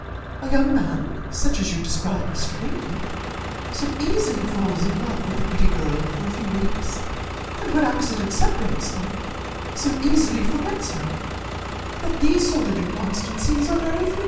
A young man, such as you describe Mr. Bingley, so easily falls in love with a pretty girl for a few weeks, and, when accident separates them, so easily forgets her, that these sort of inconstancies are very frequent."